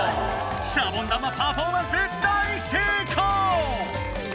シャボン玉パフォーマンス大せいこう！